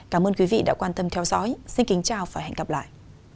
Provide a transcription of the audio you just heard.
cảm ơn quý vị đã quan tâm theo dõi xin kính chào và hẹn gặp lại